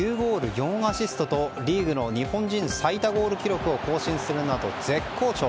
４アシストとリーグの日本人最多ゴール記録を更新するなど絶好調。